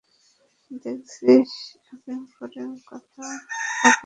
দেখসেন, আফিমখোরের মত, কথা বলতাছে।